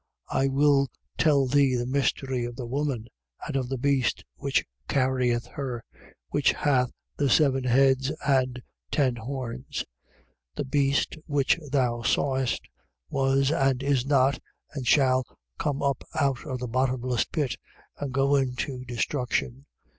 I will tell thee the mystery of the woman and of the beast which carrieth her, which hath the seven heads and ten horns. 17:8. The beast which thou sawest, was, and is not, and shall come up out of the bottomless pit and go into destruction.